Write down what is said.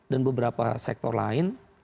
dan beberapa sektor lain